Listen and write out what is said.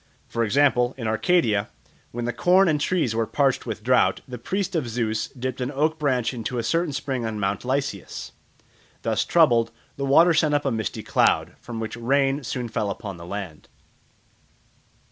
For example, in Arcadia, when the corn and trees were parched with drought, the priest of Zeus dipped an oak branch into a certain spring on Mount Lycaeus. Thus troubled, the water sent up a misty cloud, from which rain soon fell upon the land.